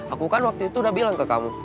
aku kan waktu itu udah bilang ke kamu